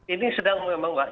ini sedang memang pak